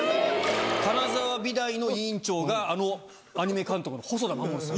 金沢美大の委員長があのアニメ監督の細田守さん。